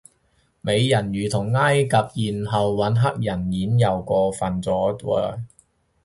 美人魚同埃及妖后搵黑人演又過份咗嘅